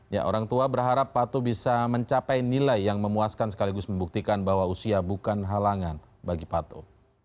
ya orang tua berharap pato bisa mencapai nilai yang memuaskan sekaligus membuktikan bahwa usia bukan halangan bagi pato